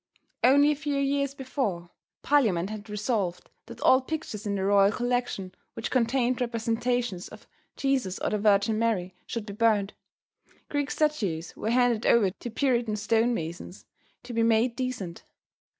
Only a few years before, Parliament had resolved that all pictures in the royal collection which contained representations of Jesus or the Virgin Mary should be burned. Greek statues were handed over to Puritan stone masons to be made decent.